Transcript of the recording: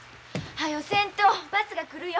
はよせんとバスが来るよ。